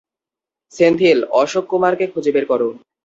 সেন্থিল, অশোক কুমারকে খুঁজে বের কর।